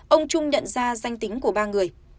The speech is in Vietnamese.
ông trung nhận ra danh tính của ba người